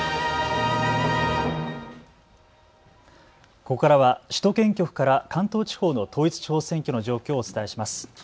ここからは首都圏局から関東地方の統一地方選挙の状況をお伝えします。